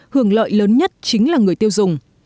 hưởng lợi lớn nhất chính là người tiêu dùng